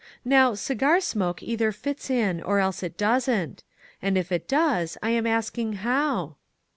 Now, cigar smoke either fits in, or else it doesn't; and if it does, I am asking how?"